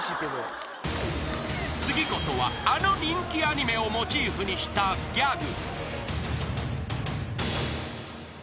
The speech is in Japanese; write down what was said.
［次こそはあの人気アニメをモチーフにしたギャグ］